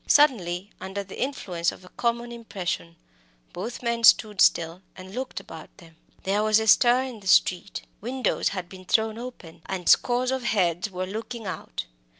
Suddenly, under the influence of a common impression, both men stood still and looked about them. There was a stir in the street. Windows had been thrown open, and scores of heads were looking out.